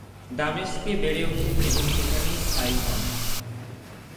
দামেস্কে বেড়ে উঠেন এবং সেখানেই স্থায়ী হন।